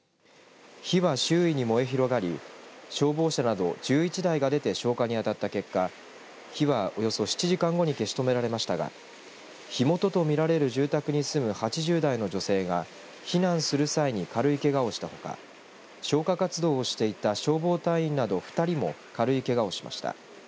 火は周囲に燃え広がり消防車など１１台が出て消火に当たった結果火はおよそ７時間後に消し止められましたが火元と見られる住宅に住む８０代の女性が避難する際に軽いけがをしたほか消火活動をしていた消防隊員など２人も軽いけがをしました。